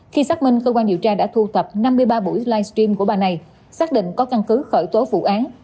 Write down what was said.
khi xác minh cơ quan điều tra đã thu tập năm mươi ba buổi live stream của bà này xác định có căn cứ khởi tố vụ án